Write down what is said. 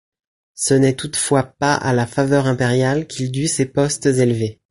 Ce n'est toutefois pas à la faveur impériale qu'il dut ces postes élevés.